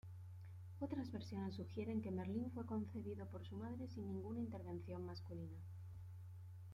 Otras versiones sugieren que Merlín fue concebido por su madre sin ninguna intervención masculina.